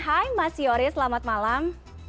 hai mas yoris selamat malam